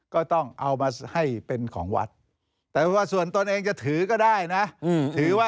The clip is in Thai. ก็ต้องเอามาให้เป็นของวัดแต่ว่าส่วนตนเองจะถือก็ได้นะ